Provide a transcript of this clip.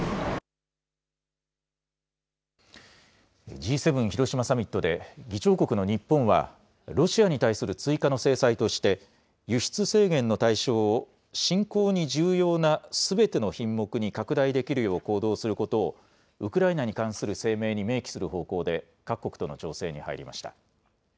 Ｇ７広島サミットで議長国の日本はロシアに対する追加の制裁として輸出制限の対象を侵攻に重要なすべての品目に拡大できるよう行動することをウクライナに関する声明に明記する方向で各国との調整に入りました。